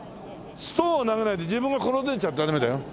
ストーンを投げないで自分が転んでっちゃダメだよ。